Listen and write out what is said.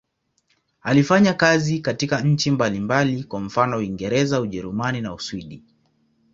Alifanya kazi katika nchi mbalimbali, kwa mfano Uingereza, Ujerumani na Uswidi.